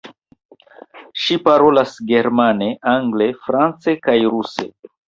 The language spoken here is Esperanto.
Ŝi parolas germane, angle, france kaj ruse.